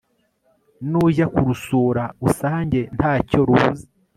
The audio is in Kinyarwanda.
nujya kurusura usange nta cyo rubuze